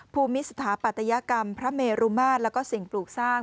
ภูมิสถาปัตยกรรมพระเมรุมาตรแล้วก็สิ่งปลูกสร้าง